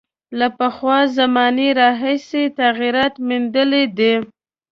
له پخوا زمانو راهیسې یې تغییرات میندلي دي.